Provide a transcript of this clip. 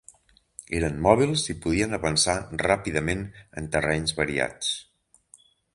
Eren mòbils i podien avançar ràpidament en terrenys variats.